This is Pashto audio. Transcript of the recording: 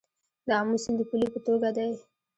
د امو سیند د پولې په توګه دی